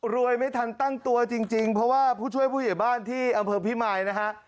ไม่ทันตั้งตัวจริงเพราะว่าผู้ช่วยผู้ใหญ่บ้านที่อำเภอพิมายนะฮะ